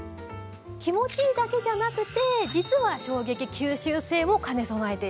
気持ちいいだけじゃなくて実は衝撃吸収性も兼ね備えているんです。